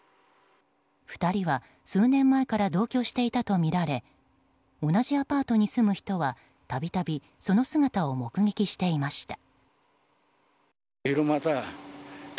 ２人は数年前から同居していたとみられ同じアパートの住む人は度々その姿を目撃していました。